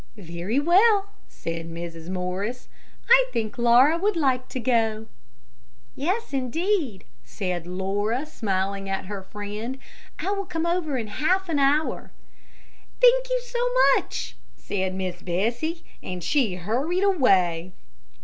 "Very well," said Mrs. Morris, "I think Laura would like to go." "Yes, indeed," said Miss Laura, smiling at her friend. "I will come over in half an hour." "Thank you, so much," said Miss Bessie. And she hurried away.